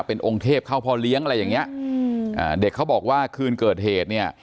เป็นองค์เทพเข้าพ่อเลี้ยงอะไรอย่างนี้เด็กเขาบอกว่าคืนเกิดเหตุ